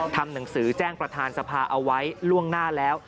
ทำหนังสือแจ้งประธานสภาเอาไว้ล่วงหน้าแล้ว